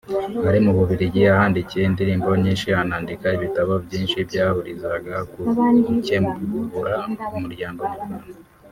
Ari mu Bubiligi yahahimbiye indirimbo nyinshi anandika ibitabo byinshi byahurizaga ku gukebura umuryango Nyarwanda